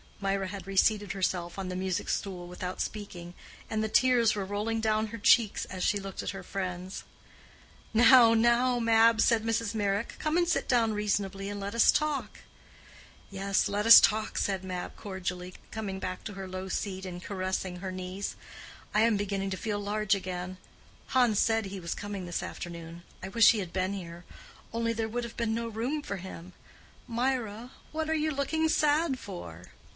Mirah had reseated herself on the music stool without speaking, and the tears were rolling down her cheeks as she looked at her friends. "Now, now, Mab!" said Mrs. Meyrick; "come and sit down reasonably and let us talk?" "Yes, let us talk," said Mab, cordially, coming back to her low seat and caressing her knees. "I am beginning to feel large again. Hans said he was coming this afternoon. I wish he had been here—only there would have been no room for him. Mirah, what are you looking sad for?"